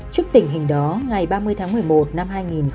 trước tình hình đó ngày ba mươi tháng một mươi một năm hai nghìn hai mươi hai